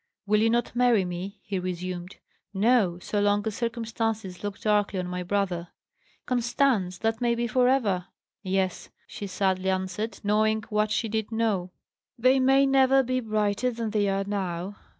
"Will you not marry me?" he resumed. "No. So long as circumstances look darkly on my brother." "Constance! that may be for ever!" "Yes," she sadly answered, knowing what she did know; "they may never be brighter than they are now.